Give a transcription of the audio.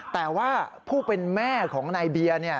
แต่ว่าผู้เป็นแม่ของนายเบียร์